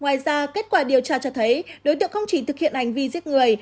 ngoài ra kết quả điều tra cho thấy đối tượng không chỉ thực hiện hành vi giết người